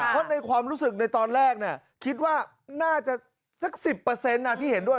เพราะในความรู้สึกในตอนแรกคิดว่าน่าจะสัก๑๐ที่เห็นด้วย